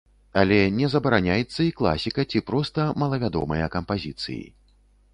Але не забараняецца і класіка, ці проста малавядомыя кампазіцыі.